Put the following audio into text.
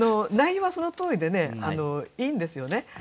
内容はそのとおりでいいんですよね。